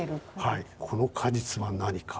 この果実は何か。